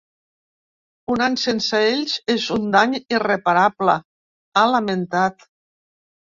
“Un any sense ells és un dany irreparable”, ha lamentat.